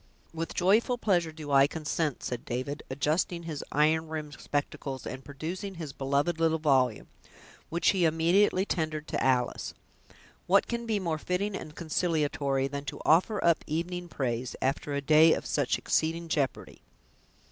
"With joyful pleasure do I consent", said David, adjusting his iron rimmed spectacles, and producing his beloved little volume, which he immediately tendered to Alice. "What can be more fitting and consolatory, than to offer up evening praise, after a day of such exceeding jeopardy!"